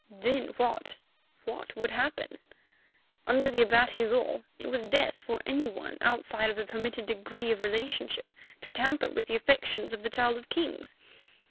Then what—what would happen? Under the Abati law it was death for any one outside of the permitted degree of relationship to tamper with the affections of the Child of Kings.